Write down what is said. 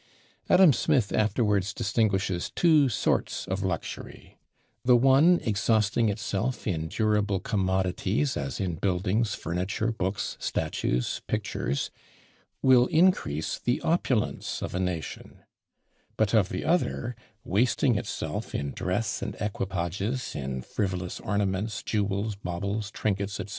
Adam Smith afterwards distinguishes two sorts of luxury: the one exhausting itself in "durable commodities, as in buildings, furniture, books, statues, pictures," will increase "the opulence of a nation;" but of the other, wasting itself in dress and equipages, in frivolous ornaments, jewels, baubles, trinkets, &c.